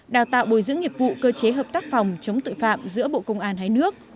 đào tạo bồi dưỡng nghiệp vụ cơ chế hợp tác phòng chống tội phạm giữa bộ công an hai nước